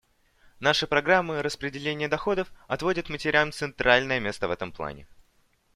Наши программы распределения доходов отводят матерям центральное место в этом плане.